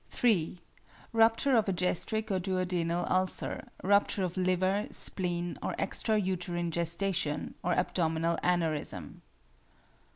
3. Rupture of a gastric or duodenal ulcer; rupture of liver, spleen, or extra uterine gestation, or abdominal aneurism.